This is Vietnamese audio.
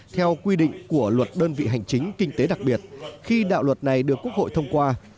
theo quy định của luật đơn vị hành chính kinh tế đặc biệt khi đạo luật này được quốc hội thông qua